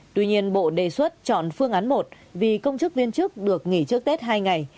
tuy nhiên bộ đề xuất chọn phương án một vì công chức viên chức được nghỉ trước tết hai ngày